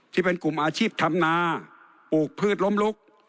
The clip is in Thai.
ที่เป็นกลุ่มอาชีพทำนาปลูกพืชล้มลุก